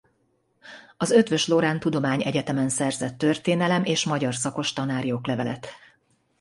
Az Eötvös Loránd Tudományegyetemen szerzett történelem és magyar szakos tanári oklevelet.